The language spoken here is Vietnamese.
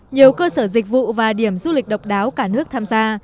nhiều cơ sở dịch vụ và điểm du lịch độc đáo cả nước tham gia